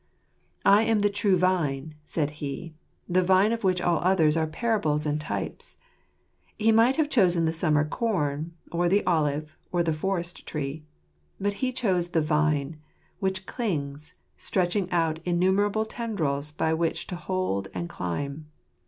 " I am the true Vine," said He, the Vine of which all others are parables and types. He might have chosen the summer corn, or the olive, or the forest tree ; but He chose the vine, which clings, stretching out innumerable tendrils by which to hold and climb.